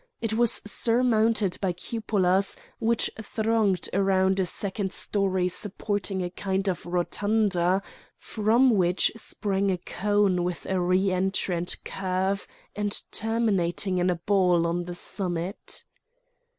It was surmounted by cupolas which thronged around a second story supporting a kind of rotunda, from which sprang a cone with a re entrant curve and terminating in a ball on the summit.